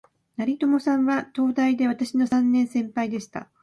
成友さんは、東大で私の三年先輩でした